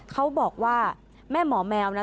เขาบอกว่าแม่หมอแมวนะ